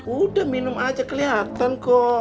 udah minum aja kelihatan kok